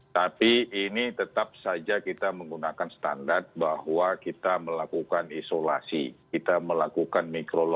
tapi ini tetap saja kita menggunakan standar bahwa kita melakukan isolasi kita melakukan mikro